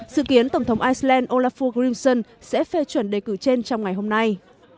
dự kiến tổng thống iceland olafur grimson sẽ phê chuẩn đề cử trên trong ngày hôm nay